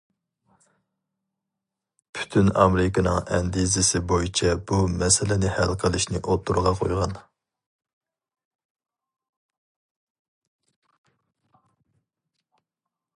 پۇتىن ئامېرىكىنىڭ ئەندىزىسى بويىچە بۇ مەسىلىنى ھەل قىلىشنى ئوتتۇرىغا قويغان.